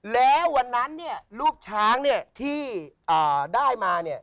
แล้ววันนั้นลูกช้างที่ได้มาเนี่ย